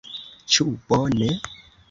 Ĉu bone?